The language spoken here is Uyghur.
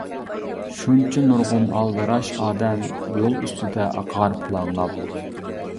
شۇنچە نۇرغۇن ئالدىراش ئادەم، يول ئۈستىدە ئاقار پۇلاڭلاپ.